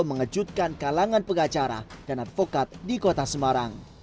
mengejutkan kalangan pengacara dan advokat di kota semarang